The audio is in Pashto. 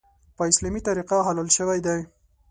په اسلامي طریقه حلال شوی دی .